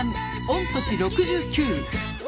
御年６９